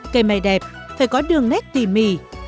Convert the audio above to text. cây mai đẹp phải có đường nét tỉ mì